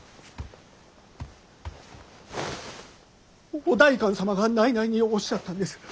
おお代官様が内々におっしゃったんです！